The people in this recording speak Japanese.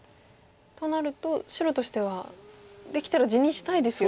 となると白としてはできたら地にしたいですよね。